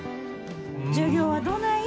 授業はどない？